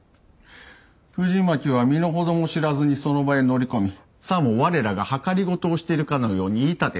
藤巻は身の程も知らずにその場へ乗り込みさも我らがはかりごとをしているかのように言い立てた。